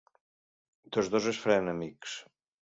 Tots dos es faran amics.